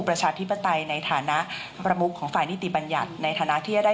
ประชาธิปไตยในฐาณประบุของฝ่านิติบัญยัตรในฐาณที่ได้